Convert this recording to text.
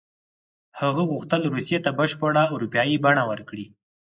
هغه غوښتل روسیې ته بشپړه اروپایي بڼه ورکړي.